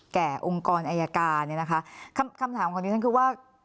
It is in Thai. แก่องค์กรเอะญาการเนี่ยนะคะท่าคำถามของคุณคือว่า